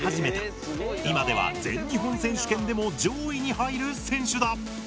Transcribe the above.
今では全日本選手権でも上位に入る選手だ。